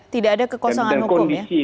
tidak ada kekosongan hukum ya